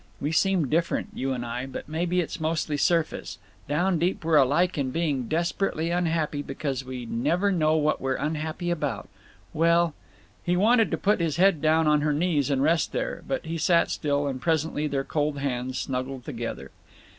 … We seem different, you and I, but maybe it's mostly surface—down deep we're alike in being desperately unhappy because we never know what we're unhappy about. Well—" He wanted to put his head down on her knees and rest there. But he sat still, and presently their cold hands snuggled together.